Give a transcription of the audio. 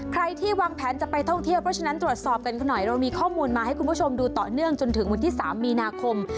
ใครที่วางแผนจะไปท่องเที่ยวเพราะฉะนั้นตรวจสอบกันเขาหน่อยเรามีข้อมูลมาให้คุณผู้ชมดูต่อเนื่องจนถึงวันที่๓มีนาคม